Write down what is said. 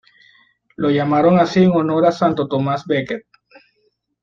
Lo llamaron así en honor a Santo Tomás Becket.